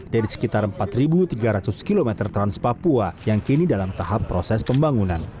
dari sekitar empat tiga ratus km trans papua yang kini dalam tahap proses pembangunan